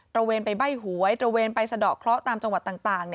ระเวนไปใบ้หวยตระเวนไปสะดอกเคราะห์ตามจังหวัดต่าง